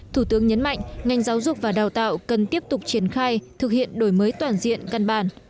thủ tướng nhấn mạnh ngành giáo dục và đào tạo cần tiếp tục triển khai thực hiện đổi mới toàn diện căn bản